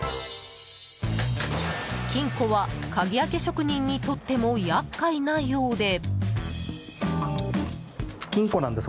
金庫は、鍵開け職人にとっても厄介なようで。